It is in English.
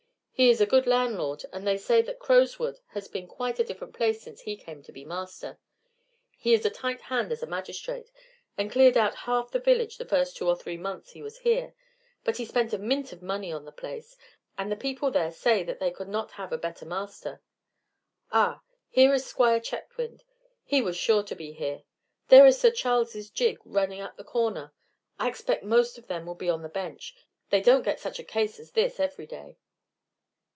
He is a good landlord, and they say that Crowswood has been quite a different place since he came to be master. He is a tight hand as a magistrate, and cleared out half the village the first two or three months he was there; but he spent a mint of money on the place, and the people there say that they could not have a better master. Ah, here is Squire Chetwynd. He was sure to be here. There is Sir Charles' gig turning the corner. I expect most of them will be on the bench; they don't get such a case as this every day."